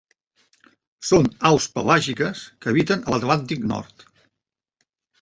Són aus pelàgiques que habiten a l'Atlàntic Nord.